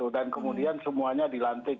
dan kemudian semuanya dilantik